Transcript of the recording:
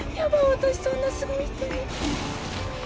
私そんなすごい人に。